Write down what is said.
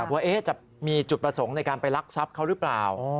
ว่าจะมีจุดประสงค์ในการไปรักทรัพย์เขาหรือเปล่า